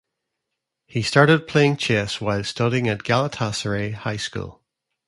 He started playing chess while studying at Galatasaray High School.